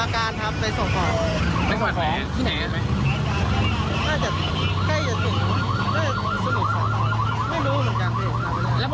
ก็หลับอยู่